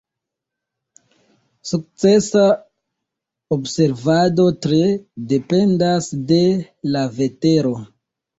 Sukcesa observado tre dependas de la vetero.